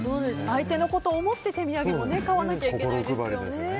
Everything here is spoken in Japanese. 相手のことを思って、手土産も買わなきゃいけないんですね。